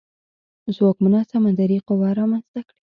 ځواکمنه سمندري قوه رامنځته کړي.